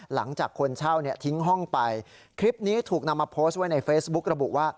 หลังจากคนเช่าเนี่ยทิ้งห้องไปคลิปนี้ถูกนำมาโพสต์ไว้ในเฟซบุ๊กระบุว่า